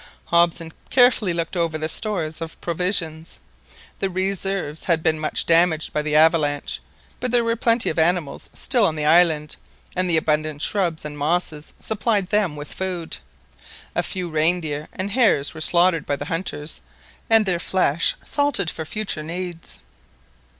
Hobson carefully looked over the stores of provisions. The reserves had been much damaged by the avalanche, but there were plenty of animals still on the island, and the abundant shrubs and mosses supplied them with food. A few reindeer and hares were slaughtered by the hunters, and their flesh salted for future needs.